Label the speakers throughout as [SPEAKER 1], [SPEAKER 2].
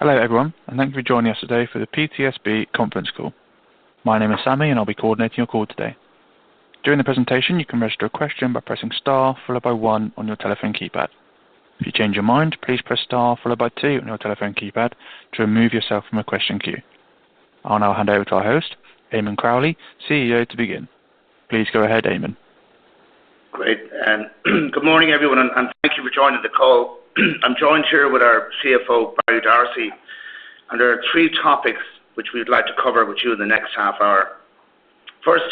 [SPEAKER 1] Hello, everyone, and thank you for joining us today for the PTSB conference call. My name is Sami, and I'll be coordinating your call today. During the presentation, you can register a question by pressing star followed by one on your telephone keypad. If you change your mind, please press star followed by two on your telephone keypad to remove yourself from a question queue. I'll now hand over to our host, Eamonn Crowley, CEO, to begin. Please go ahead, Eamonn.
[SPEAKER 2] Great. Good morning, everyone, and thank you for joining the call. I'm joined here with our CFO, Barry D'Arcy, and there are three topics which we would like to cover with you in the next half hour. First,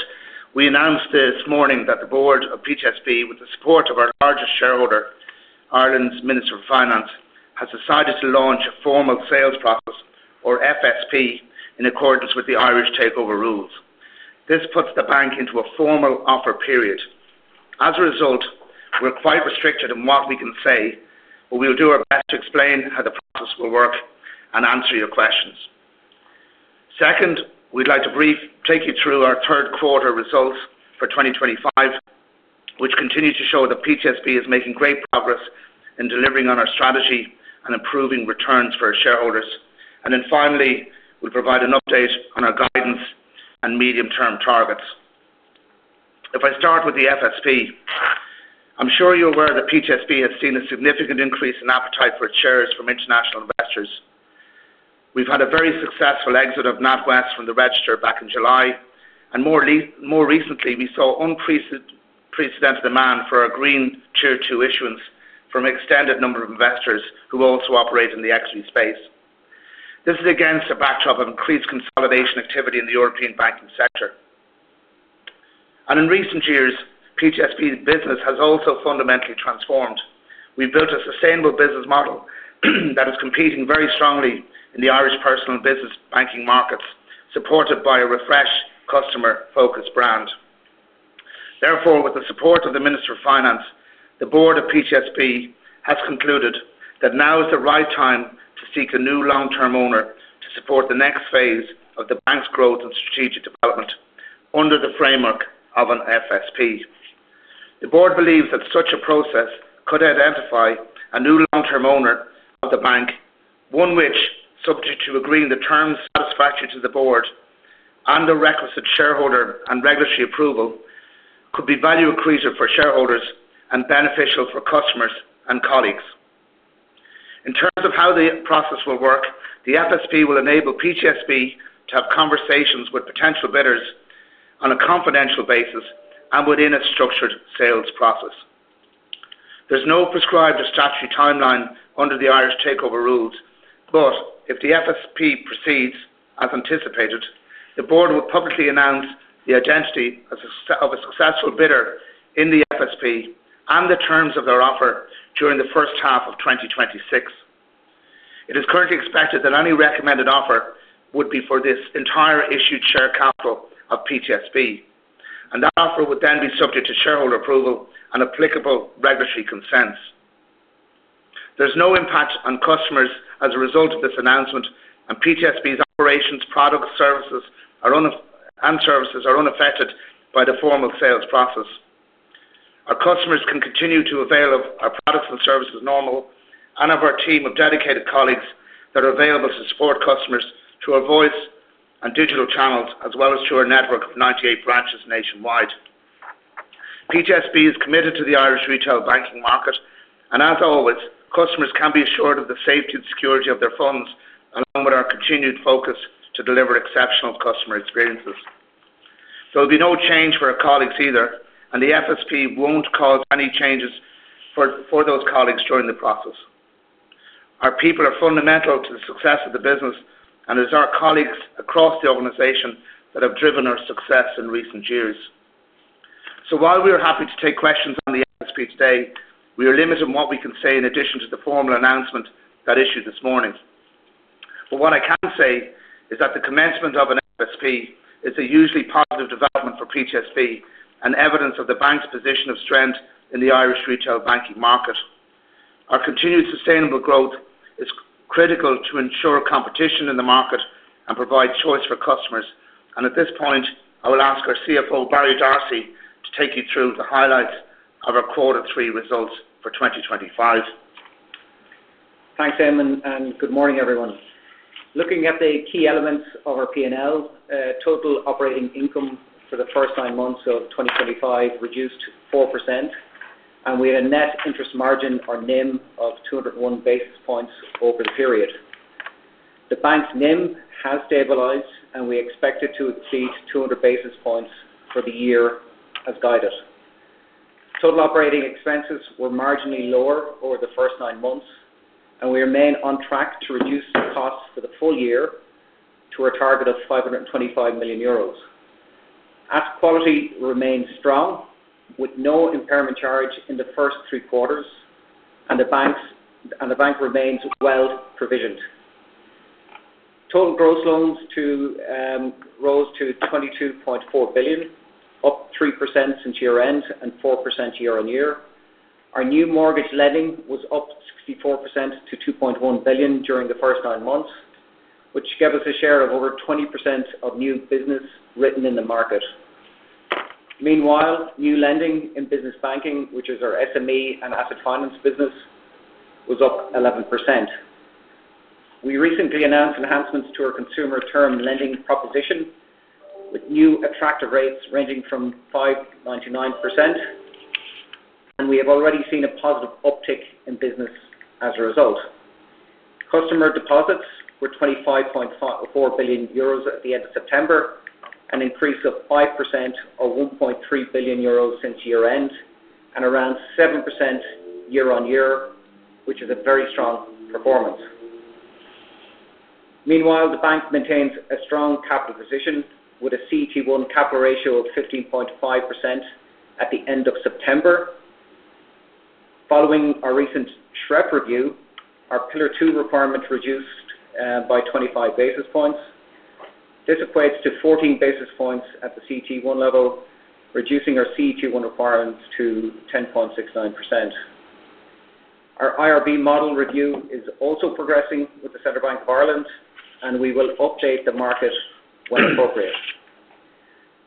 [SPEAKER 2] we announced this morning that the Board of PTSB, with the support of our largest shareholder, Ireland’s Minister of Finance, has decided to launch a Formal Sales Process, or FSP, in accordance with the Irish Takeover Rules. This puts the bank into a formal offer period. As a result, we're quite restricted in what we can say, but we'll do our best to explain how the process will work and answer your questions. Second, we'd like to briefly take you through our third quarter results for 2025, which continue to show that PTSB is making great progress in delivering on our strategy and improving returns for our shareholders. Finally, we'll provide an update on our guidance and medium-term targets. If I start with the FSP, I'm sure you're aware that PTSB has seen a significant increase in appetite for its shares from international investors. We've had a very successful exit of NatWest from the register back in July, and more recently, we saw unprecedented demand for our Green Tier 2 issuance from an extended number of investors who also operate in the equity space. This is against a backdrop of increased consolidation activity in the European banking sector. In recent years, PTSB's business has also fundamentally transformed. We've built a sustainable business model that is competing very strongly in the Irish personal and business banking markets, supported by a refreshed, customer-focused brand. Therefore, with the support of the Minister of Finance, the Board of PTSB has concluded that now is the right time to seek a new long-term owner to support the next phase of the bank's growth and strategic development under the framework of an FSP. The Board believes that such a process could identify a new long-term owner of the bank, one which, subject to agreeing the terms satisfactory to the Board and the requisite shareholder and regulatory approval, could be a value increaser for shareholders and beneficial for customers and colleagues. In terms of how the process will work, the FSP will enable PTSB to have conversations with potential bidders on a confidential basis and within a structured sales process. There's no prescribed or statutory timeline under the Irish Takeover Rules, but if the FSP proceeds as anticipated, the Board will publicly announce the identity of a successful bidder in the FSP and the terms of their offer during the first half of 2026. It is currently expected that any recommended offer would be for the entire issued share capital of PTSB, and that offer would then be subject to shareholder approval and applicable regulatory consents. There's no impact on customers as a result of this announcement, and PTSB's operations, products, and services are unaffected by the formal sales process. Our customers can continue to avail of our products and services normally, and have our team of dedicated colleagues that are available to support customers through our voice and digital channels, as well as through our network of 98 branches nationwide. PTSB is committed to the Irish retail banking market, and as always, customers can be assured of the safety and security of their funds, along with our continued focus to deliver exceptional customer experiences. There will be no change for our colleagues either, and the FSP won't cause any changes for those colleagues during the process. Our people are fundamental to the success of the business, and it is our colleagues across the organization that have driven our success in recent years. While we are happy to take questions on the FSP today, we are limited in what we can say in addition to the formal announcement that issued this morning. What I can say is that the commencement of an FSP is a usually positive development for PTSB and evidence of the bank's position of strength in the Irish retail banking market. Our continued sustainable growth is critical to ensure competition in the market and provide choice for customers. At this point, I will ask our CFO, Barry D'Arcy, to take you through the highlights of our quarter three results for 2025.
[SPEAKER 3] Thanks, Eamonn, and good morning, everyone. Looking at the key elements of our P&L, total operating income for the first nine months of 2025 reduced 4%, and we had a Net Interest Margin, or NIM, of 201 basis points over the period. The bank's NIM has stabilized, and we expect it to exceed 200 basis points for the year as guided. Total operating expenses were marginally lower over the first nine months, and we remain on track to reduce the costs for the full year to our target of 525 million euros. Asset quality remains strong, with no impairment charge in the first three quarters, and the bank remains well provisioned. Total gross loans rose to 22.4 billion, up 3% since year-end and 4% year-on-year. Our new mortgage lending was up 64% to 2.1 billion during the first nine months, which gave us a share of over 20% of new business written in the market. Meanwhile, new lending in business banking, which is our SME and asset finance business, was up 11%. We recently announced enhancements to our consumer term lending proposition with new attractive rates ranging from 5.99%, and we have already seen a positive uptick in business as a result. Customer deposits were 25.4 billion euros at the end of September, an increase of 5% or 1.3 billion euros since year-end, and around 7% year-on-year, which is a very strong performance. Meanwhile, the bank maintains a strong capital position with a CET1 capital ratio of 15.5% at the end of September. Following our recent SREP review, our Pillar 2 Requirement reduced by 25 basis points. This equates to 14 basis points at the CET1 level, reducing our CET1 requirements to 10.69%. Our IRB model review is also progressing with the Central Bank of Ireland, and we will update the market when appropriate.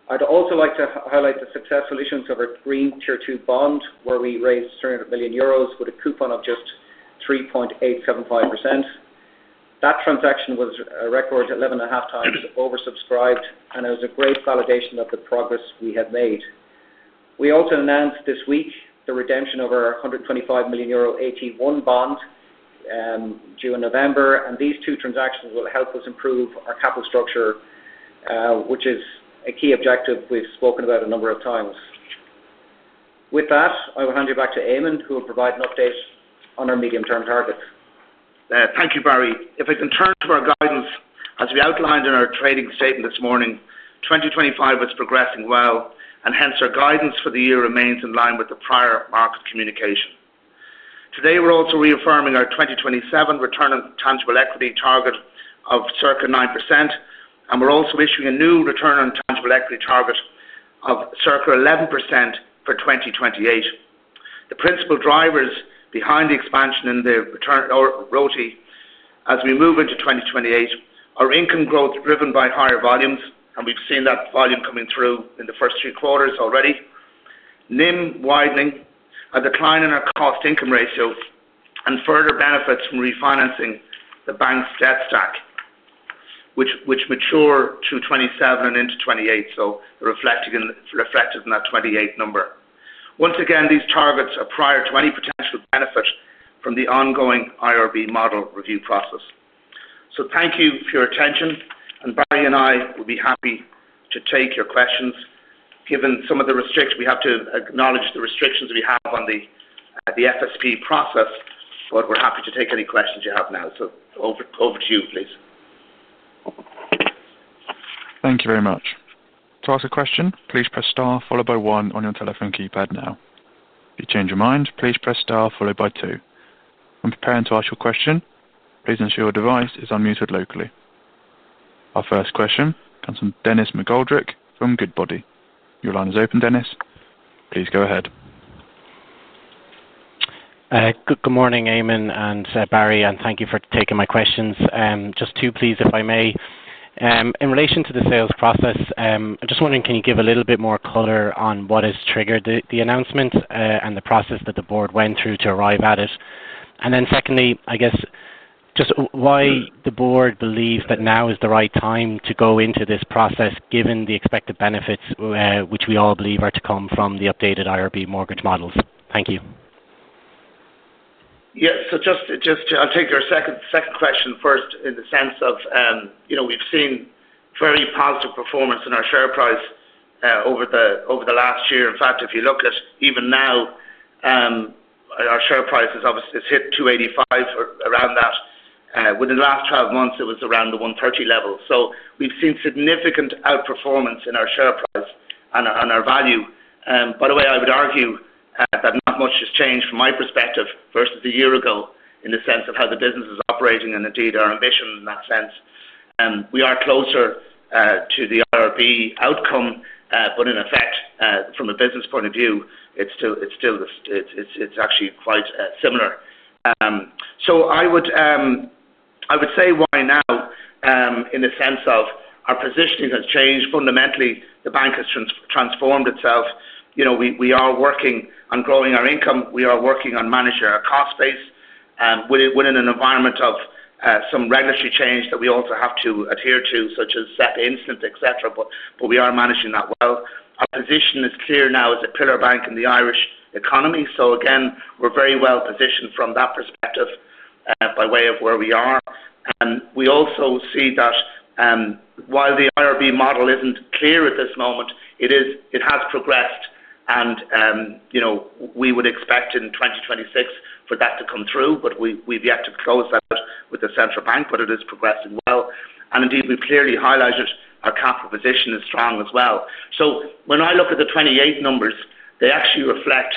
[SPEAKER 3] I'd also like to highlight the successful issues of our Green Tier 2 bond, where we raised 300 million euros with a coupon of just 3.875%. That transaction was a record 11.5x oversubscribed, and it was a great validation of the progress we had made. We also announced this week the redemption of our 125 million euro AT1 bond due in November, and these two transactions will help us improve our capital structure, which is a key objective we've spoken about a number of times. With that, I will hand you back to Eamonn, who will provide an update on our medium-term targets.
[SPEAKER 2] Thank you, Barry. If I can turn to our guidance, as we outlined in our trading statement this morning, 2025 is progressing well, and hence our guidance for the year remains in line with the prior market communication. Today, we're also reaffirming our 2027 return on tangible equity target of circa 9%, and we're also issuing a new return on tangible equity target of circa 11% for 2028. The principal drivers behind the expansion in the ROTE as we move into 2028 are income growth driven by higher volumes, and we've seen that volume coming through in the first three quarters already. NIM widening, a decline in our cost-income ratio, and further benefits from refinancing the bank's debt stack, which mature to 2027 and into 2028, reflected in that 2028 number. Once again, these targets are prior to any potential benefit from the ongoing IRB model review process. Thank you for your attention, and Barry and I will be happy to take your questions. Given some of the restrictions, we have to acknowledge the restrictions we have on the FSP process, but we're happy to take any questions you have now. Over to you, please.
[SPEAKER 1] Thank you very much. To ask a question, please press star followed by one on your telephone keypad now. If you change your mind, please press star followed by two. When preparing to ask your question, please ensure your device is unmuted locally. Our first question comes from Dennis McGoldrick from Goodbody. Your line is open, Dennis. Please go ahead.
[SPEAKER 4] Good morning, Eamonn and Barry, and thank you for taking my questions. Just two, please, if I may. In relation to the sales process, I'm just wondering, can you give a little bit more color on what has triggered the announcement, and the process that the Board went through to arrive at it? Secondly, I guess, just why the Board believes that now is the right time to go into this process given the expected benefits, which we all believe are to come from the updated IRB mortgage models. Thank you.
[SPEAKER 2] Yeah. Just to, I'll take your second question first in the sense of, you know, we've seen very positive performance in our share price over the last year. In fact, if you look at even now, our share price has obviously hit 2.85 or around that. Within the last 12 months, it was around the 1.30 level. We've seen significant outperformance in our share price and our value. By the way, I would argue that not much has changed from my perspective versus a year ago in the sense of how the business is operating and indeed our ambition in that sense. We are closer to the IRB outcome, but in effect, from a business point of view, it's still actually quite similar. I would say why now, in the sense of our positioning has changed. Fundamentally, the bank has transformed itself. We are working on growing our income. We are working on managing our cost base within an environment of some regulatory change that we also have to adhere to, such as SREP instance, et cetera, but we are managing that well. Our position is clear now as a pillar bank in the Irish economy. We're very well positioned from that perspective, by way of where we are. We also see that, while the IRB model isn't clear at this moment, it has progressed, and we would expect in 2026 for that to come through, but we've yet to close that with the Central Bank, but it is progressing well. We've clearly highlighted our capital position is strong as well. When I look at the 2028 numbers, they actually reflect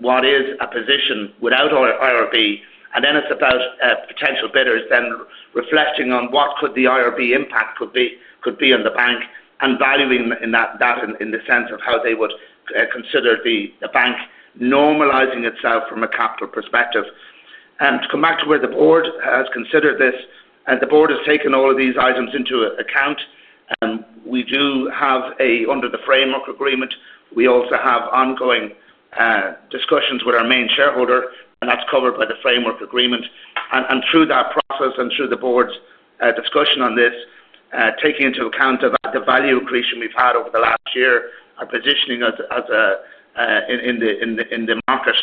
[SPEAKER 2] what is a position without our IRB, and then it's about potential bidders then reflecting on what the IRB impact could be on the bank and valuing that in the sense of how they would consider the bank normalizing itself from a capital perspective. To come back to where the Board has considered this, the Board has taken all of these items into account, and we do have, under the framework agreement, ongoing discussions with our main shareholder, and that's covered by the framework agreement. Through that process and through the Board's discussion on this, taking into account the value increase we've had over the last year, our positioning in the market,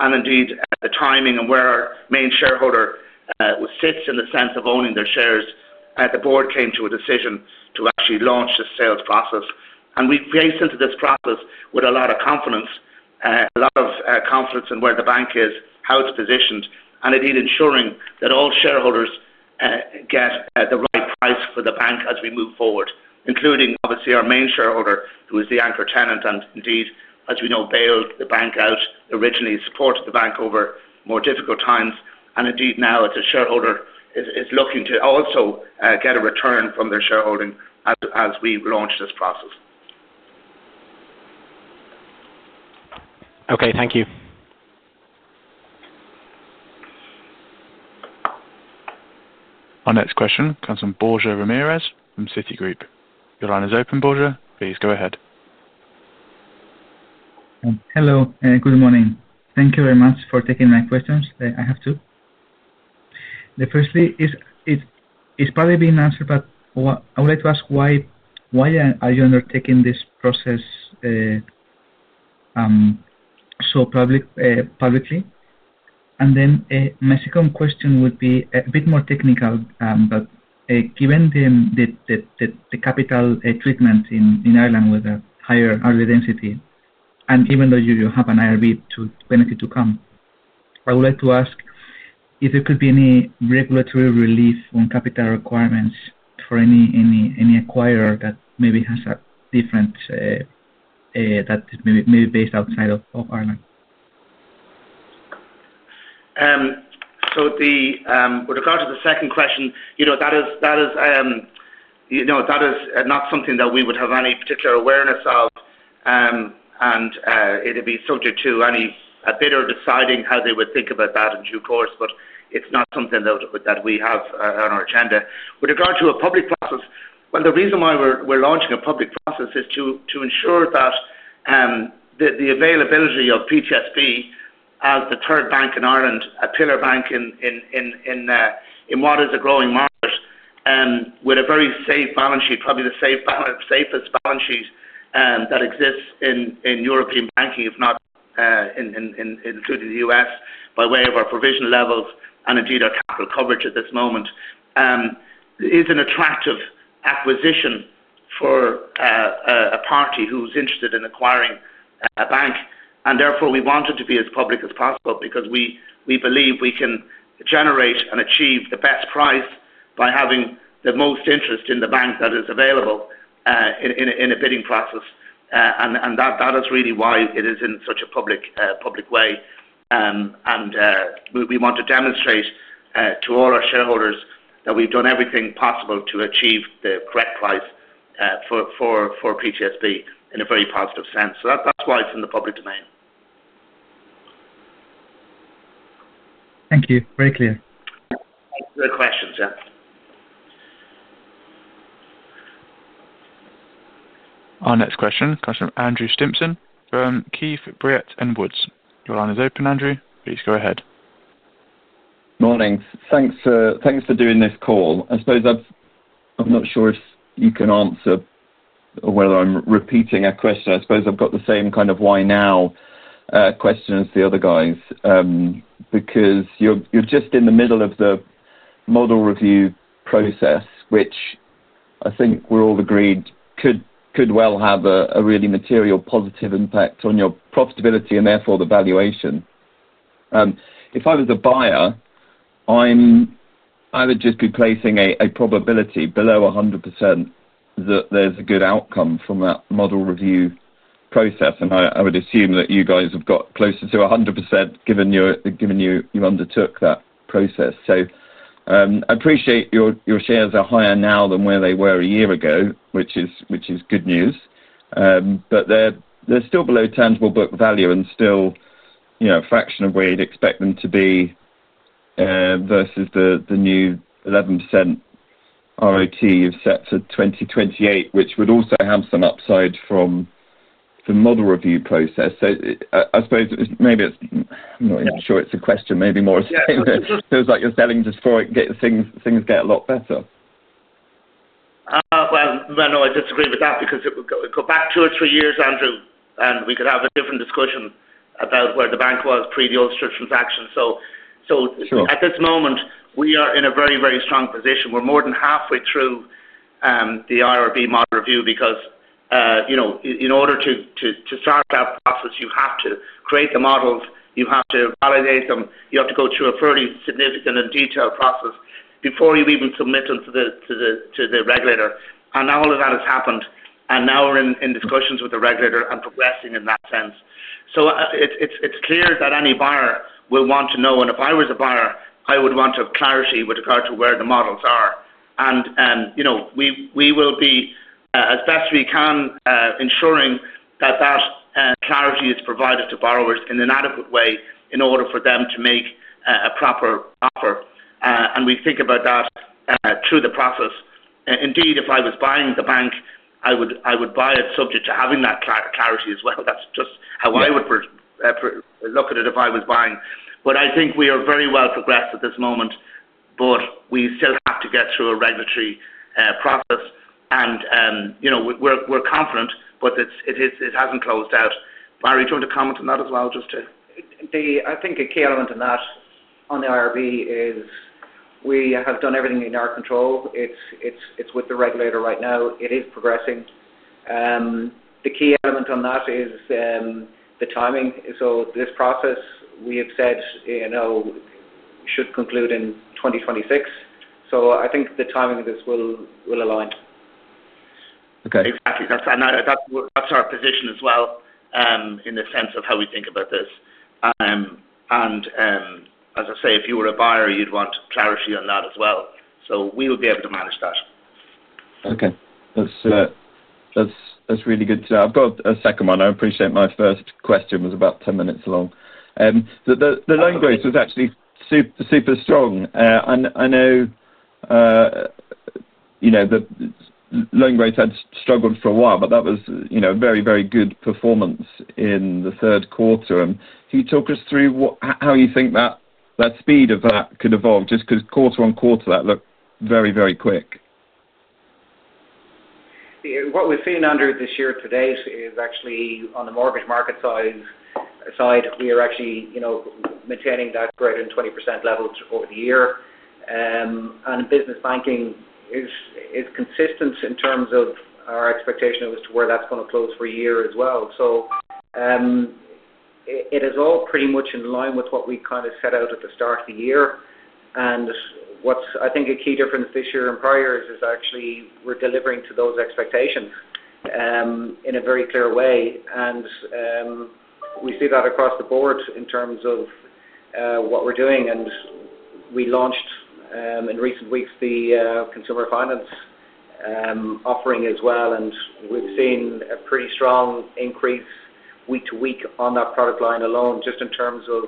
[SPEAKER 2] and indeed, the timing and where our main shareholder sits in the sense of owning their shares, the Board came to a decision to actually launch the sales process. We've faced into this process with a lot of confidence, a lot of confidence in where the bank is, how it's positioned, and indeed ensuring that all shareholders get the right price for the bank as we move forward, including, obviously, our main shareholder, who is the anchor tenant and indeed, as we know, bailed the bank out originally, supported the bank over more difficult times, and indeed now as a shareholder is looking to also get a return from their shareholding as we launch this process.
[SPEAKER 4] Okay, thank you.
[SPEAKER 1] Our next question comes from Borja Ramirez from Citigroup. Your line is open, Borja. Please go ahead.
[SPEAKER 5] Hello. Good morning. Thank you very much for taking my questions. I have two. The first is probably being answered, but I would like to ask why are you undertaking this process so publicly? A second question would be a bit more technical, but given the capital treatment in Ireland with a higher RWA density, and even though you have an IRB benefit to come, I would like to ask if there could be any regulatory relief on capital requirements for any acquirer that is maybe based outside of Ireland?
[SPEAKER 2] With regard to the second question, that is not something that we would have any particular awareness of, and it'd be subject to any bidder deciding how they would think about that in due course, but it's not something that we have on our agenda. With regard to a public process, the reason why we're launching a public process is to ensure that the availability of PTSB as the third bank in Ireland, a pillar bank in what is a growing market with a very safe balance sheet, probably the safest balance sheet that exists in European banking, if not including the U.S., by way of our provision levels and indeed our capital coverage at this moment, is an attractive acquisition for a party who's interested in acquiring a bank. Therefore, we want it to be as public as possible because we believe we can generate and achieve the best price by having the most interest in the bank that is available in a bidding process. That is really why it is in such a public way. We want to demonstrate to all our shareholders that we've done everything possible to achieve the correct price for PTSB in a very positive sense. That's why it's in the public domain.
[SPEAKER 5] Thank you. Very clear.
[SPEAKER 2] Good questions, yeah.
[SPEAKER 1] Our next question comes from Andrew Stimpson from Keefe, Bruyette & Woods. Your line is open, Andrew. Please go ahead.
[SPEAKER 6] Morning. Thanks for doing this call. I suppose I'm not sure if you can answer or whether I'm repeating a question. I suppose I've got the same kind of why now question as the other guys, because you're just in the middle of the model review process, which I think we're all agreed could have a really material positive impact on your profitability and therefore the valuation. If I was a buyer, I would just be placing a probability below 100% that there's a good outcome from that model review process. I would assume that you guys have got closer to 100% given you undertook that process. I appreciate your shares are higher now than where they were a year ago, which is good news, but they're still below tangible book value and still a fraction of where you'd expect them to be, versus the new 11% ROTE you've set for 2028, which would also have some upside from the model review process. I suppose maybe it's not even a question, maybe more a statement. It feels like you're selling just before things get a lot better.
[SPEAKER 2] No, I disagree with that because it would go back two or three years, Andrew, and we could have a different discussion about where the bank was pre-the Ulster transaction. At this moment, we are in a very, very strong position. We're more than halfway through the IRB model review because, you know, in order to start that process, you have to create the models. You have to validate them. You have to go through a fairly significant and detailed process before you even submit them to the regulator. All of that has happened, and now we're in discussions with the regulator and progressing in that sense. It's clear that any buyer will want to know, and if I was a buyer, I would want to have clarity with regard to where the models are. We will be, as best we can, ensuring that clarity is provided to borrowers in an adequate way in order for them to make a proper offer. We think about that through the process. Indeed, if I was buying the bank, I would buy it subject to having that clarity as well. That's just how I would look at it if I was buying. I think we are very well progressed at this moment, but we still have to get through a regulatory process. We're confident, but it hasn't closed out. Barry, do you want to comment on that as well, just to?
[SPEAKER 3] I think a key element in that on the IRB is we have done everything in our control. It's with the regulator right now. It is progressing. The key element on that is the timing. This process, we have said, should conclude in 2026. I think the timing of this will align.
[SPEAKER 6] Okay.
[SPEAKER 3] Exactly. That's our position as well, in the sense of how we think about this. As I say, if you were a buyer, you'd want clarity on that as well. We will be able to manage that.
[SPEAKER 6] Okay. That's really good to know. I've got a second one. I appreciate my first question was about 10 minutes long. The loan growth was actually super, super strong. I know the loan growth had struggled for a while, but that was a very, very good performance in the third quarter. Can you talk us through how you think that speed of that could evolve? Just because quarter-on-quarter, that looked very, very quick.
[SPEAKER 3] What we've seen, Andrew, this year to date is actually on the mortgage market size side, we are actually, you know, maintaining that greater than 20% level over the year. In business banking, it is consistent in terms of our expectation as to where that's going to close for the year as well. It is all pretty much in line with what we kind of set out at the start of the year. I think a key difference this year and prior is actually we're delivering to those expectations in a very clear way. We see that across the Board in terms of what we're doing. We launched, in recent weeks, the consumer finance offering as well. We've seen a pretty strong increase week to week on that product line alone, just in terms of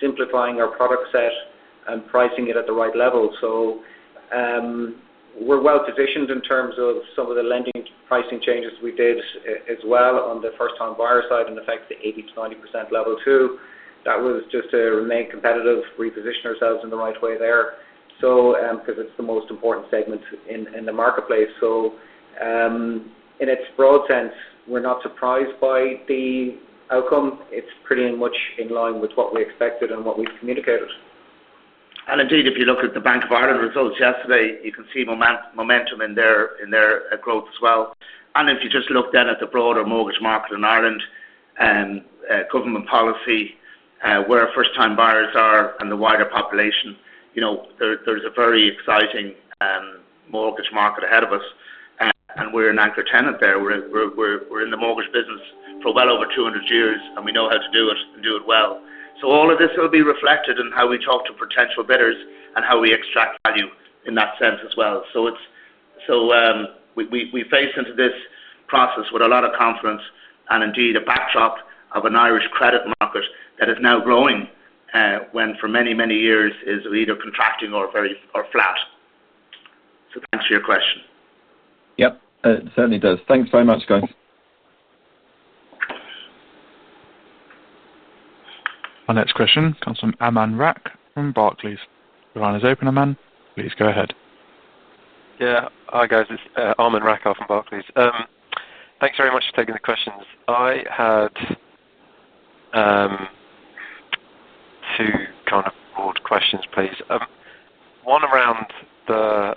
[SPEAKER 3] simplifying our product set and pricing it at the right level. We're well positioned in terms of some of the lending pricing changes we did as well on the first-time buyer side and affect the 80 to 90% level too. That was just to remain competitive, reposition ourselves in the right way there, because it's the most important segment in the marketplace. In its broad sense, we're not surprised by the outcome. It's pretty much in line with what we expected and what we've communicated.
[SPEAKER 2] And indeed, if you look at the Bank of Ireland results yesterday, you can see momentum in their growth as well. If you just look at the broader mortgage market in Ireland, government policy, where first-time buyers are, and the wider population, there's a very exciting mortgage market ahead of us. We're an anchor tenant there. We're in the mortgage business for well over 200 years, and we know how to do it and do it well. All of this will be reflected in how we talk to potential bidders and how we extract value in that sense as well. We face into this process with a lot of confidence and indeed a backdrop of an Irish credit market that is now growing, when for many years it was either contracting or flat. Thanks for your question.
[SPEAKER 6] Yess. It certainly does. Thanks very much, guys.
[SPEAKER 1] Our next question comes from Aman Rakkar from Barclays. Your line is open, Aman. Please go ahead.
[SPEAKER 7] Yeah. Hi, guys. It's Aman Rakkar from Barclays. Thanks very much for taking the questions. I had two kind of broad questions, please. One around the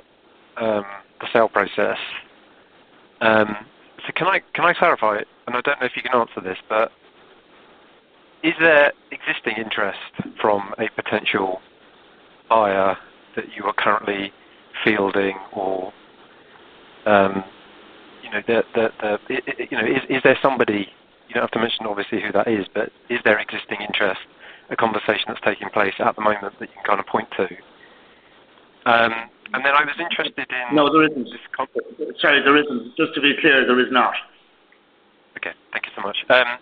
[SPEAKER 7] sale process. Can I clarify it? I don't know if you can answer this, but is there existing interest from a potential buyer that you are currently fielding or, you know, is there somebody, you don't have to mention, obviously, who that is, but is there existing interest, a conversation that's taking place at the moment that you can kind of point to? I was interested in.
[SPEAKER 2] No, there isn't. Sorry, there isn't. Just to be clear, there is not.
[SPEAKER 7] Okay. Thank you so much. I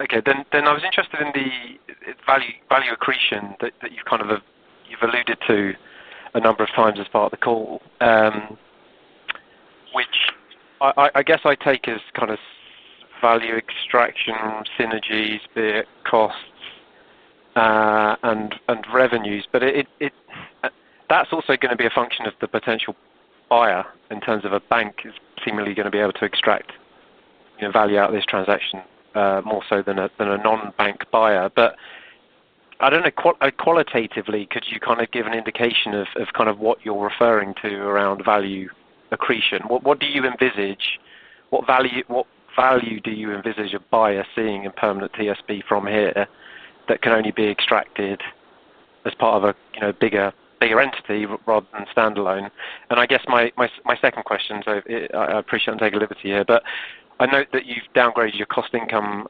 [SPEAKER 7] was interested in the value accretion that you've kind of alluded to a number of times as part of the call, which I guess I take as kind of value extraction synergies, be it costs and revenues. It's also going to be a function of the potential buyer in terms of a bank is seemingly going to be able to extract value out of this transaction, more so than a non-bank buyer. I don't know. Qualitatively, could you kind of give an indication of what you're referring to around value accretion? What do you envisage? What value do you envisage a buyer seeing in Permanent TSB from here that can only be extracted as part of a bigger entity rather than standalone? I guess my second question, I appreciate I'm taking liberty here, but I note that you've downgraded your cost-income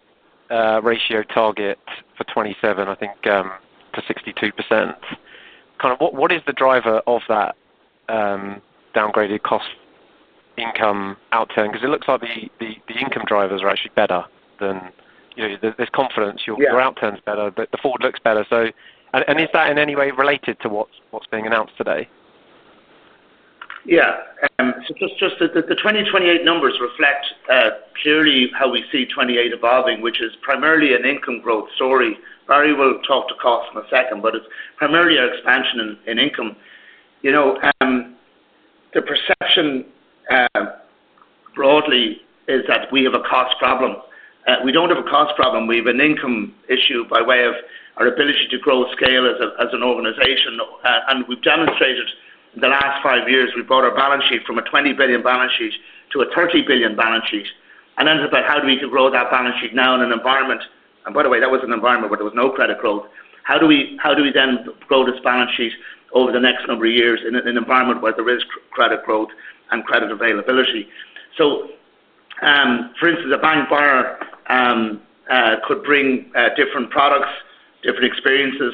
[SPEAKER 7] ratio target for 2027, I think, to 62%. What is the driver of that downgraded cost-income outturn? Because it looks like the income drivers are actually better than, you know, there's confidence your outturn's better, but the forward looks better. Is that in any way related to what's being announced today?
[SPEAKER 2] Yeah, just that the 2028 numbers reflect purely how we see 2028 evolving, which is primarily an income growth story. Barry will talk to cost in a second, but it's primarily our expansion in income. You know, the perception broadly is that we have a cost problem. We don't have a cost problem. We have an income issue by way of our ability to grow scale as an organization. We've demonstrated in the last five years, we brought our balance sheet from a 20 billion balance sheet to a 30 billion balance sheet. It's about how do we grow that balance sheet now in an environment? By the way, that was an environment where there was no credit growth. How do we then grow this balance sheet over the next number of years in an environment where there is credit growth and credit availability? For instance, a bank buyer could bring different products, different experiences,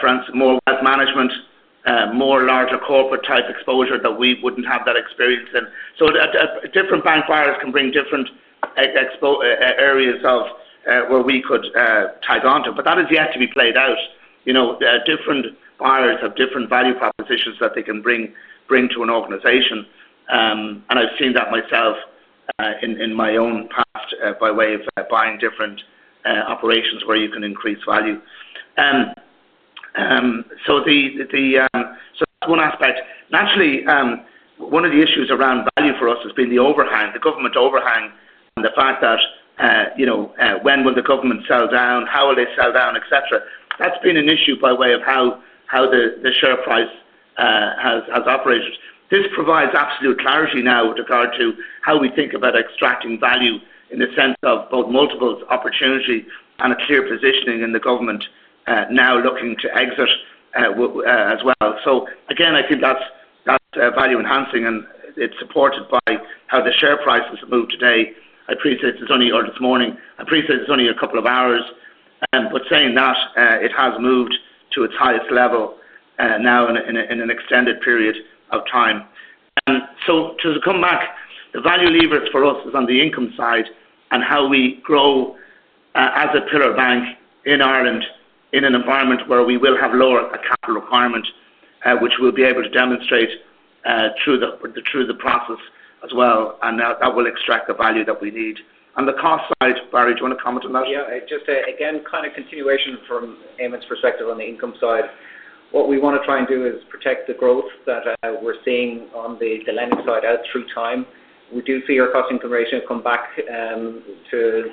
[SPEAKER 2] for instance, more wealth management, more larger corporate-type exposure that we wouldn't have that experience in. Different bank buyers can bring different areas of where we could tag onto. That is yet to be played out. Different buyers have different value propositions that they can bring to an organization. I've seen that myself in my own past by way of buying different operations where you can increase value. That's one aspect. Naturally, one of the issues around value for us has been the overhang, the government overhang, and the fact that, you know, when will the government sell down? How will they sell down, et cetera? That's been an issue by way of how the share price has operated. This provides absolute clarity now with regard to how we think about extracting value in the sense of both multiples, opportunity, and a clear positioning in the government now looking to exit as well. I think that's value-enhancing, and it's supported by how the share price has moved today. I appreciate it's only this morning. I appreciate it's only a couple of hours, but saying that, it has moved to its highest level now in an extended period of time. To come back, the value leverage for us is on the income side and how we grow as a pillar bank in Ireland in an environment where we will have lower capital requirement, which we'll be able to demonstrate through the process as well. That will extract the value that we need. On the cost side, Barry, do you want to comment on that?
[SPEAKER 3] Yeah. Just, again, kind of continuation from Eamonn's perspective on the income side. What we want to try and do is protect the growth that we're seeing on the lending side out through time. We do see our cost-income ratio come back to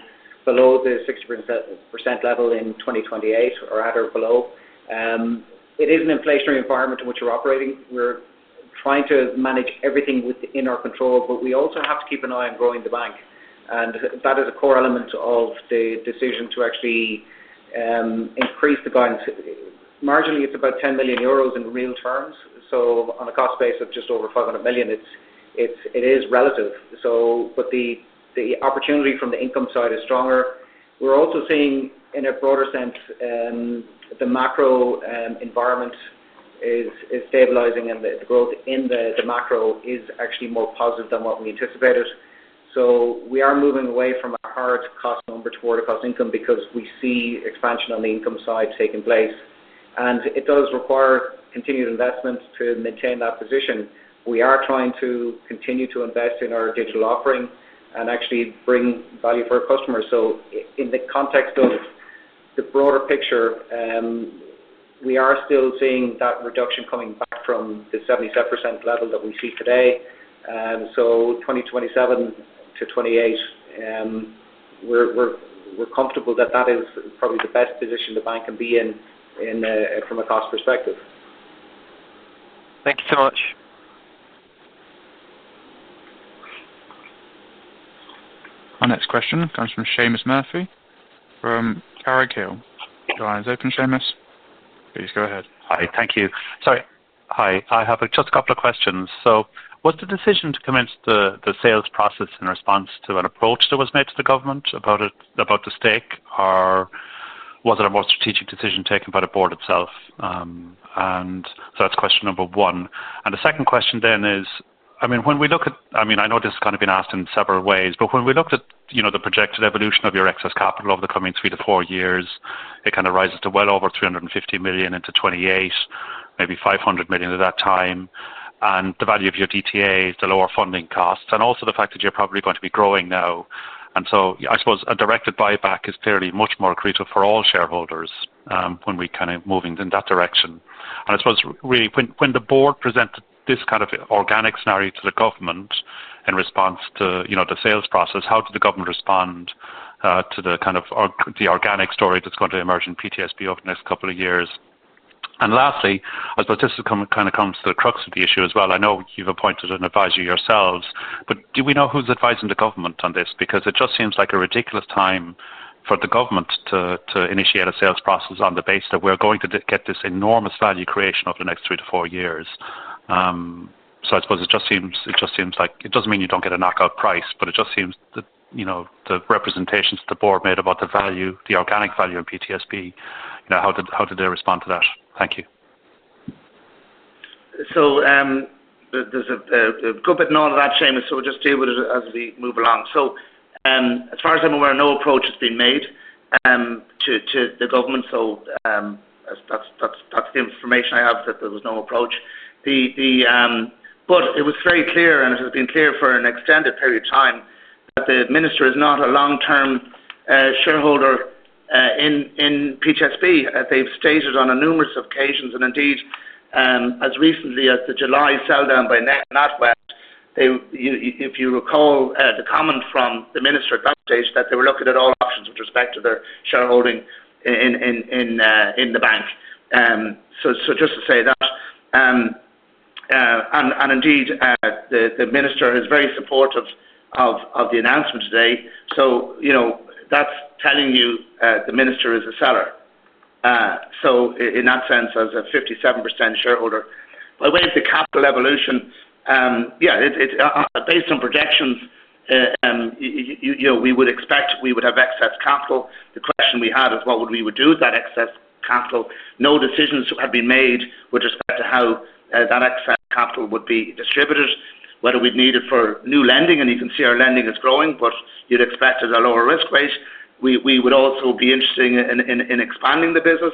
[SPEAKER 3] below the 60% level in 2028 or at or below. It is an inflationary environment in which we're operating. We're trying to manage everything within our control, but we also have to keep an eye on growing the bank. That is a core element of the decision to actually increase the bank's marginally, it's about 10 million euros in real terms. On a cost base of just over 500 million, it is relative. The opportunity from the income side is stronger. We're also seeing, in a broader sense, the macro environment is stabilizing, and the growth in the macro is actually more positive than what we anticipated. We are moving away from a hard cost number toward a cost-income because we see expansion on the income side taking place. It does require continued investment to maintain that position. We are trying to continue to invest in our digital offering and actually bring value for our customers. In the context of the broader picture, we are still seeing that reduction coming back from the 77% level that we see today. For 2027 to 2028, we're comfortable that that is probably the best position the bank can be in, from a cost perspective.
[SPEAKER 7] Thank you so much.
[SPEAKER 1] Our next question comes from Seamus Murphy from Carraighill. Your line is open, Seamus. Please go ahead.
[SPEAKER 8] Hi. Thank you. Hi. I have just a couple of questions. Was the decision to commence the sales process in response to an approach that was made to the government about the stake, or was it a more strategic decision taken by the Board itself? That's question number one. The second question is, when we look at the projected evolution of your excess capital over the coming three to four years, it rises to well over 350 million into 2028, maybe 500 million at that time. The value of your DTA, the lower funding costs, and also the fact that you're probably going to be growing now. I suppose a directed buyback is clearly much more accretive for all shareholders when we move in that direction. I suppose when the Board presented this kind of organic scenario to the government in response to the sales process, how did the government respond to the organic story that's going to emerge in PTSB over the next couple of years? Lastly, this comes to the crux of the issue as well. I know you've appointed an advisor yourselves, but do we know who's advising the government on this? It just seems like a ridiculous time for the government to initiate a sales process on the basis that we're going to get this enormous value creation over the next three to four years. It just seems like it doesn't mean you don't get a knockout price, but it just seems that the representations that the Board made about the value, the organic value in PTSB, how did they respond to that? Thank you.
[SPEAKER 2] There's a good bit in all of that, Seamus, so we'll just be able to as we move along. As far as I'm aware, no approach has been made to the government. That's the information I have, that there was no approach. It was very clear, and it has been clear for an extended period of time that the minister is not a long-term shareholder in PTSB. They've stated on numerous occasions, and indeed, as recently as the July selldown by NatWest, if you recall, the comment from the minister at that stage that they were looking at all options with respect to their shareholding in the bank. Just to say that. Indeed, the minister is very supportive of the announcement today. You know, that's telling you the minister is a seller. In that sense, as a 57% shareholder, by way of the capital evolution, based on projections, we would expect we would have excess capital. The question we had is what we would do with that excess capital. No decisions have been made with respect to how that excess capital would be distributed, whether we'd need it for new lending. You can see our lending is growing, but you'd expect at a lower risk rate. We would also be interested in expanding the business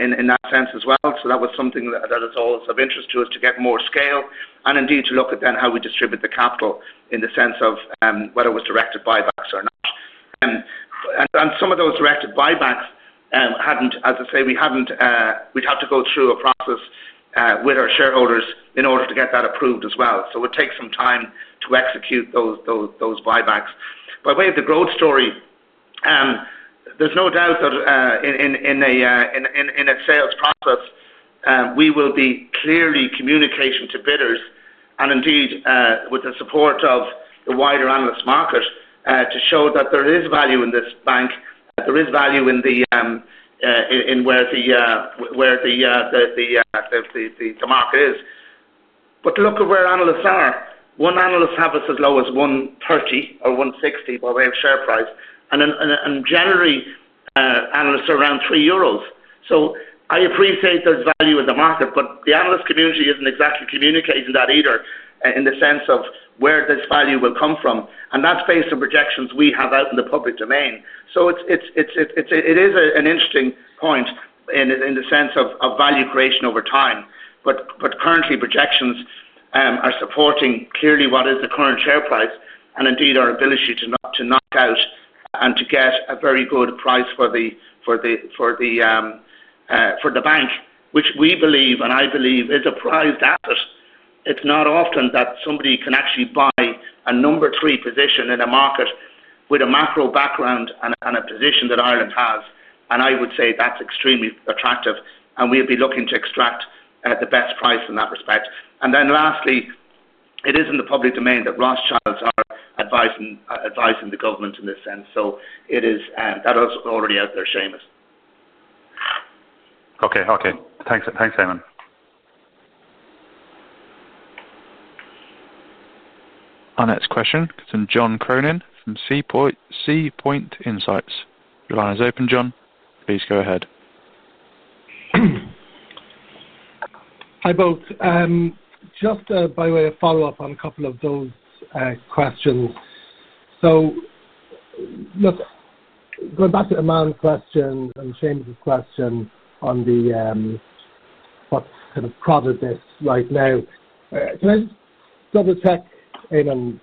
[SPEAKER 2] in that sense as well. That was something that is always of interest to us to get more scale and indeed to look at then how we distribute the capital in the sense of whether it was directed buybacks or not. Some of those directed buybacks, we'd have to go through a process with our shareholders in order to get that approved as well. It would take some time to execute those buybacks. By way of the growth story, there's no doubt that in a sales process, we will be clearly communicating to bidders and indeed, with the support of the wider analyst market, to show that there is value in this bank, that there is value in where the market is. Look at where analysts are. One analyst has us as low as 1.30 or 1.60 by way of share price. Generally, analysts are around 3 euros. I appreciate there's value in the market, but the analyst community isn't exactly communicating that either in the sense of where this value will come from. That's based on projections we have out in the public domain. It is an interesting point in the sense of value creation over time. Currently, projections are supporting clearly what is the current share price and indeed our ability to knock out and to get a very good price for the bank, which we believe, and I believe, is a prized asset. It's not often that somebody can actually buy a number-three position in a market with a macro background and a position that Ireland has. I would say that's extremely attractive. We'd be looking to extract the best price in that respect. Lastly, it is in the public domain that Rothschild are advising the government in this sense. That is already out there, Seamus.
[SPEAKER 8] Okay. Thanks, Eamonn.
[SPEAKER 1] Our next question comes from John Cronin from SeaPoint Insights. Your line is open, John. Please go ahead.
[SPEAKER 9] Hi, both. Just by way of follow-up on a couple of those questions. Going back to Aman's question and Seamus's question on what's kind of processes this right now, can I just double-check, Eamonn?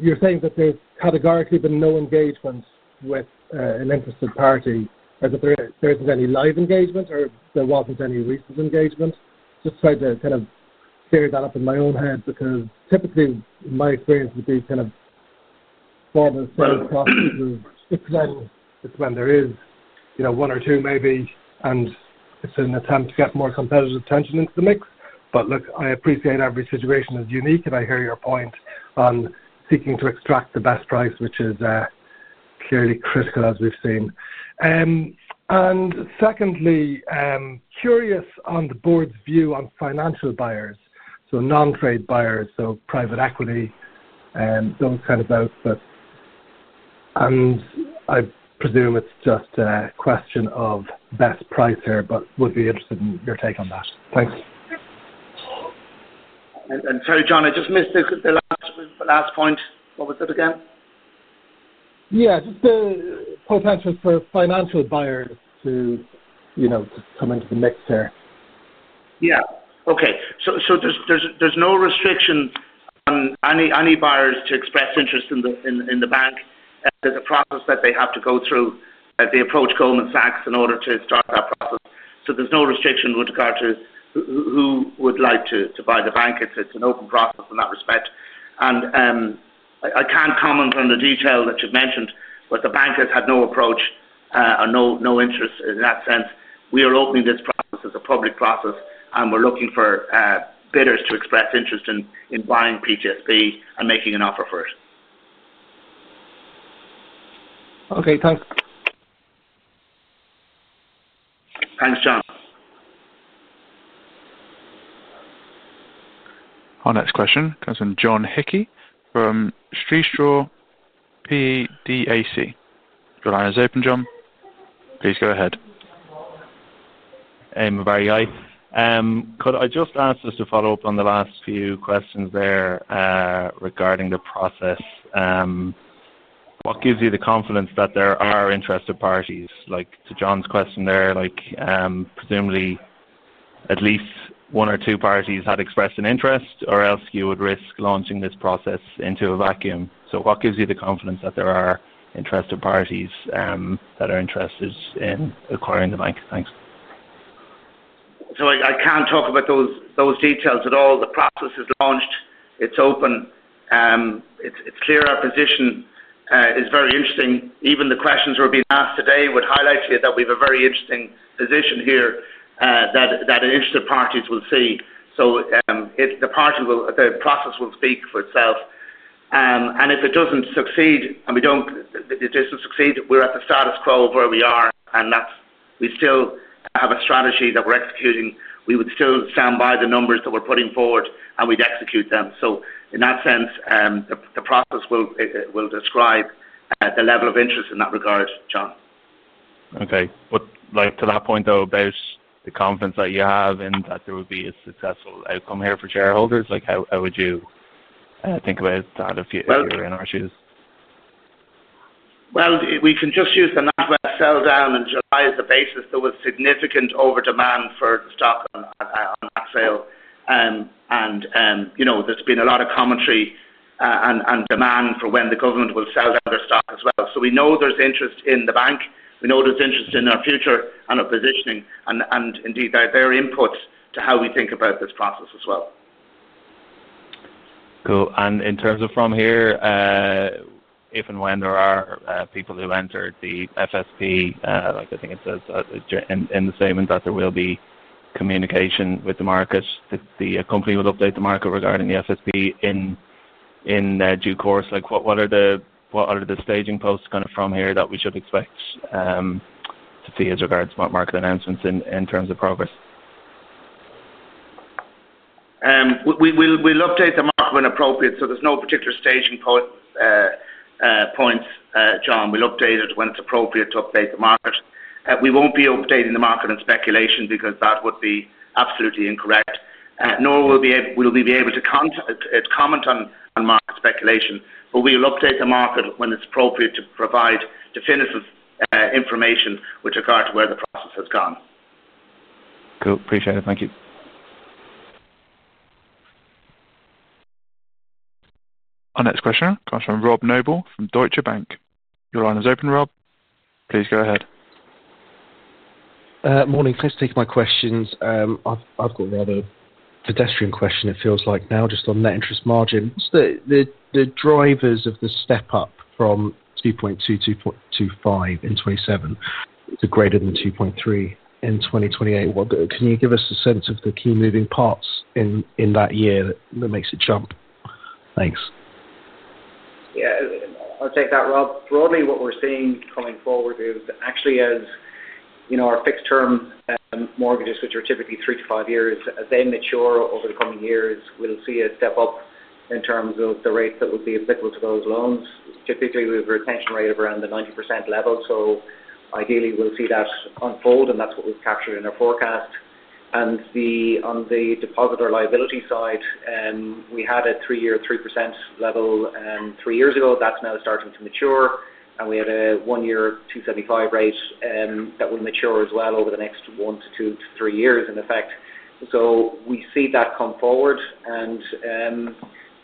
[SPEAKER 9] You're saying that there's categorically been no engagement with an interested party and that there isn't any live engagement or there wasn't any recent engagement. Just trying to kind of clear that up in my own head because typically, my experience would be kind of formal sales processes where it's when there is, you know, one or two maybe, and it's an attempt to get more competitive attention into the mix. I appreciate every situation is unique, and I hear your point on seeking to extract the best price, which is clearly critical as we've seen. Secondly, curious on the Board's view on financial buyers, so non-trade buyers, so private equity, those kind of outfits. I presume it's just a question of best price here, but would be interested in your take on that. Thanks.
[SPEAKER 2] Sorry, John, I just missed the last point. What was it again?
[SPEAKER 9] Just the potential for financial buyers to, you know, just come into the mix here.
[SPEAKER 2] Okay. There's no restriction on any buyers to express interest in the bank. There's a process that they have to go through. They approach Goldman Sachs in order to start that process. There's no restriction with regard to who would like to buy the bank if it's an open process in that respect. I can't comment on the detail that you've mentioned, but the bank has had no approach or no interest in that sense. We are opening this process as a public process, and we're looking for bidders to express interest in buying PTSB and making an offer for it.
[SPEAKER 9] Okay. Thanks.
[SPEAKER 2] Thanks, John.
[SPEAKER 1] Our next question comes from Sretaw PE DAC. Your line is open, John. Please go ahead.
[SPEAKER 10] Could I just ask, just to follow up on the last few questions there regarding the process, what gives you the confidence that there are interested parties? Like to John's question there, presumably at least one or two parties had expressed an interest or else you would risk launching this process into a vacuum. What gives you the confidence that there are interested parties that are interested in acquiring the bank? Thanks.
[SPEAKER 2] I can't talk about those details at all. The process is launched. It's open. It's clear our position is very interesting. Even the questions we're being asked today would highlight to you that we have a very interesting position here, that interested parties will see. The process will speak for itself. If it doesn't succeed, we're at the status quo of where we are, and that's we still have a strategy that we're executing. We would still stand by the numbers that we're putting forward, and we'd execute them. In that sense, the process will describe the level of interest in that regard, John.
[SPEAKER 10] Okay. To that point, based on the confidence that you have in that there would be a successful outcome here for shareholders, how would you think about that if you were in our shoes?
[SPEAKER 2] We can just use the NatWest selldown in July as the basis. There was significant over-demand for the stock on that sale, and there's been a lot of commentary and demand for when the government will sell down their stock as well. We know there's interest in the bank. We know there's interest in our future and our positioning, and indeed their input to how we think about this process as well.
[SPEAKER 10] In terms of from here, if and when there are people who enter the FSP, I think it says in the statement that there will be communication with the market. The company will update the market regarding the FSP in due course. What are the staging posts from here that we should expect to see as regards to what market announcements in terms of progress?
[SPEAKER 2] We'll update the market when appropriate. There's no particular staging points, John. We'll update it when it's appropriate to update the market. We won't be updating the market in speculation because that would be absolutely incorrect, nor will we be able to comment on market speculation, but we'll update the market when it's appropriate to provide definitive information with regard to where the process has gone.
[SPEAKER 10] Cool. Appreciate it. Thank you.
[SPEAKER 1] Our next question comes from Rob Noble from Deutsche Bank. Your line is open, Rob. Please go ahead.
[SPEAKER 11] Morning. Thanks for taking my questions. I've got a rather pedestrian question, it feels like now, just on Net Interest Margin. What's the drivers of the step up from 2.2%-2.25% in 2027 to greater than 2.3% in 2028? What can you give us a sense of the key moving parts in that year that makes it jump? Thanks.
[SPEAKER 3] Yeah. I'll take that, Rob. Broadly, what we're seeing coming forward is actually as, you know, our fixed-term mortgages, which are typically three to five years, as they mature over the coming years, we'll see a step up in terms of the rates that will be applicable to those loans. Typically, we have a retention rate of around the 90% level. Ideally, we'll see that unfold, and that's what we've captured in our forecast. On the depositor liability side, we had a three-year 3% level three years ago. That's now starting to mature. We had a one-year 2.75% rate that will mature as well over the next one to two to three years in effect. We see that come forward.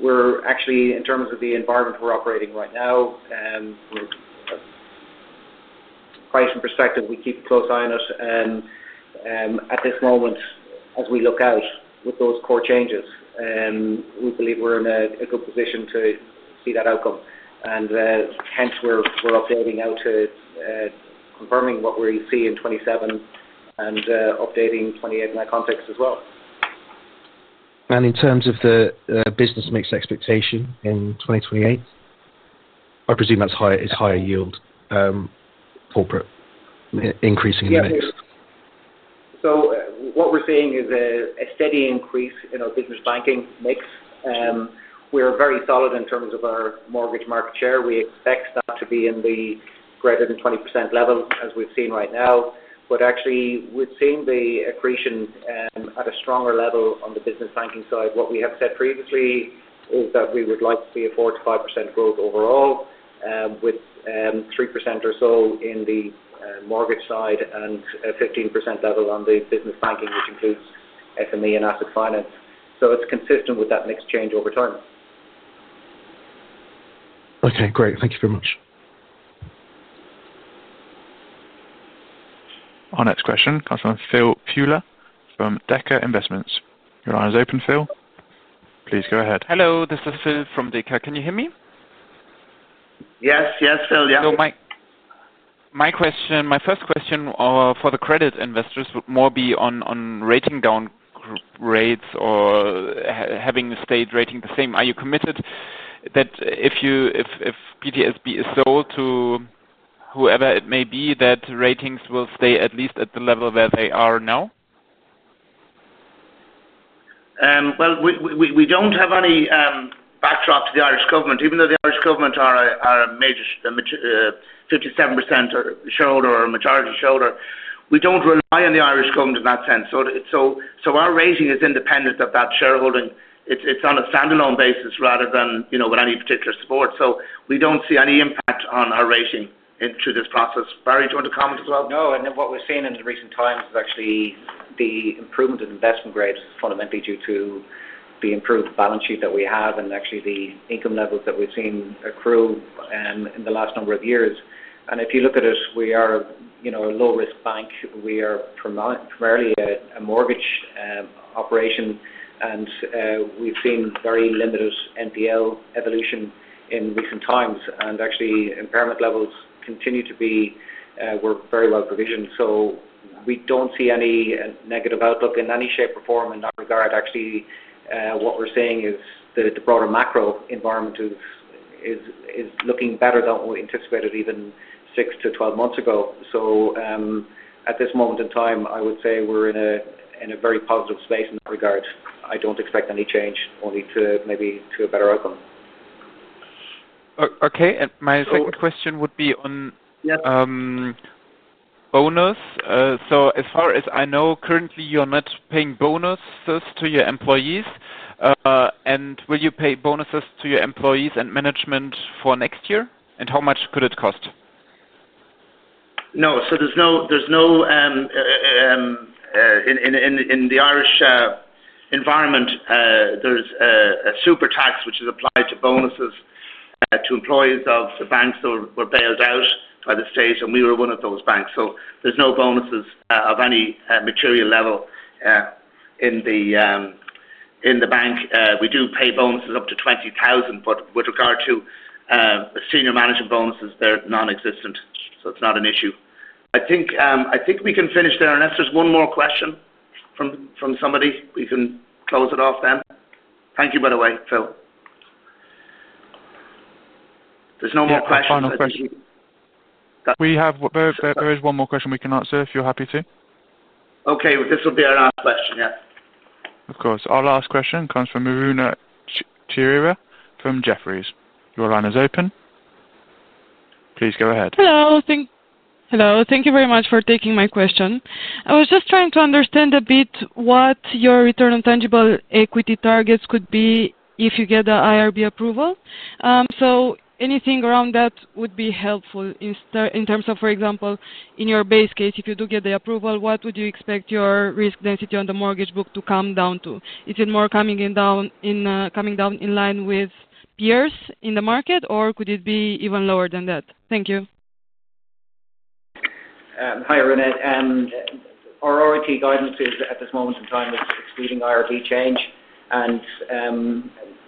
[SPEAKER 3] We're actually, in terms of the environment we're operating right now, quite in perspective. We keep a close eye on it. At this moment, as we look out with those core changes, we believe we're in a good position to see that outcome. Hence, we're updating out to confirming what we see in 2027 and updating 2028 in that context as well.
[SPEAKER 11] In terms of the business mix expectation in 2028, I presume that's higher yield, corporate increasing in the mix.
[SPEAKER 3] Yes. What we're seeing is a steady increase in our business banking mix. We are very solid in terms of our mortgage market share. We expect that to be in the greater than 20% level, as we've seen right now. Actually, we've seen the accretion at a stronger level on the business banking side. What we have said previously is that we would like to see a 4%-5% growth overall, with 3% or so in the mortgage side and a 15% level on the business banking, which includes SME and asset finance. It's consistent with that mix change over time.
[SPEAKER 11] Okay, great. Thank you very much.
[SPEAKER 1] Our next question comes from Phil Fuller from Decker Investments. Your line is open, Phil. Please go ahead.
[SPEAKER 12] Hello. This is Phil from Decker. Can you hear me?
[SPEAKER 2] Yes, Phil. Yeah.
[SPEAKER 12] My first question for the credit investors would more be on rating down rates or having the state rating the same. Are you committed that if PTSB is sold to whoever it may be, that ratings will stay at least at the level where they are now?
[SPEAKER 2] We don't have any backdrop to the Irish government. Even though the Irish government are a major 57% shareholder or a majority shareholder, we don't rely on the Irish government in that sense. Our rating is independent of that shareholding. It's on a standalone basis rather than, you know, with any particular support. We don't see any impact on our rating into this process. Barry, do you want to comment as well?
[SPEAKER 3] No. What we're seeing in recent times is actually the improvement in investment grades is fundamentally due to the improved balance sheet that we have and the income levels that we've seen accrue in the last number of years. If you look at us, we are a low-risk bank. We are primarily a mortgage operation, and we've seen very limited NPL evolution in recent times. Impairment levels continue to be, we're very well provisioned. We don't see any negative outlook in any shape or form in that regard. Actually, what we're seeing is the broader macro environment is looking better than what we anticipated even 6 to 12 months ago. At this moment in time, I would say we're in a very positive space in that regard. I don't expect any change, only maybe to a better outcome.
[SPEAKER 12] Okay. My second question would be on bonus. As far as I know, currently, you're not paying bonuses to your employees. Will you pay bonuses to your employees and management for next year? How much could it cost?
[SPEAKER 2] No. There's no, in the Irish environment, there's a supertax which is applied to bonuses to employees of the banks that were bailed out by the state, and we were one of those banks. There's no bonuses of any material level in the bank. We do pay bonuses up to 20,000, but with regard to the senior management bonuses, they're nonexistent. It's not an issue. I think we can finish there. Unless there's one more question from somebody, we can close it off then. Thank you, by the way, Phil. There's no more questions.
[SPEAKER 1] We have one more question we can answer if you're happy to.
[SPEAKER 2] Okay, this will be our last question.
[SPEAKER 1] Of course. Our last question comes from Miruna Chirea from Jefferies. Your line is open. Please go ahead.
[SPEAKER 13] Hello. Thank you very much for taking my question. I was just trying to understand a bit what your return on tangible equity targets could be if you get the IRB approval. Anything around that would be helpful in terms of, for example, in your base case, if you do get the approval, what would you expect your risk density on the mortgage book to come down to? Is it more coming down in line with peers in the market, or could it be even lower than that? Thank you.
[SPEAKER 3] Hi, Miruna. Our ROTE guidance at this moment in time is exceeding IRB change.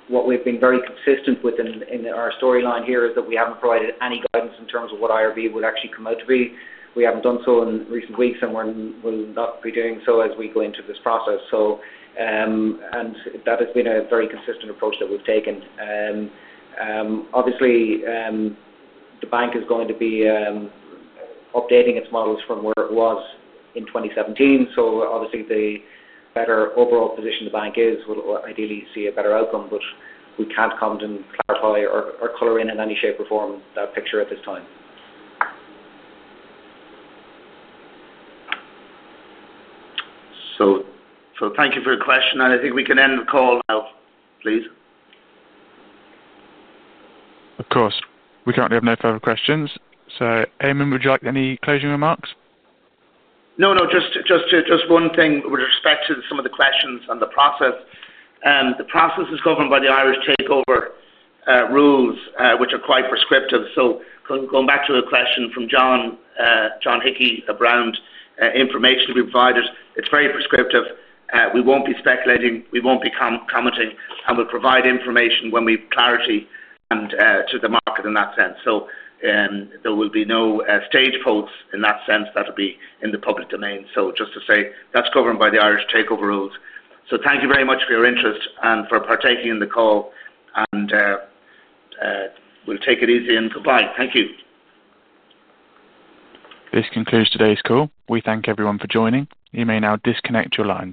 [SPEAKER 3] What we've been very consistent with in our storyline here is that we haven't provided any guidance in terms of what IRB would actually come out to be. We haven't done so in recent weeks, and we're not doing so as we go into this process. That has been a very consistent approach that we've taken. Obviously, the bank is going to be updating its models from where it was in 2017. The better overall position the bank is in, we'll ideally see a better outcome, but we can't comment and clarify or color in any shape or form that picture at this time.
[SPEAKER 2] Thank you for your question, and I think we can end the call now, please.
[SPEAKER 1] Of course. We currently have no further questions. Eamonn, would you like any closing remarks?
[SPEAKER 2] No, just one thing with respect to some of the questions on the process. The process is governed by the Irish Takeover Rules, which are quite prescriptive. Going back to a question from John Hickey around information to be provided, it's very prescriptive. We won't be speculating. We won't be commenting. We'll provide information when we have clarity to the market in that sense. There will be no stage polls in that sense. That'll be in the public domain. Just to say that's governed by the Irish Takeover Rules. Thank you very much for your interest and for partaking in the call. We'll take it easy and goodbye. Thank you.
[SPEAKER 1] This concludes today's call. We thank everyone for joining. You may now disconnect your lines.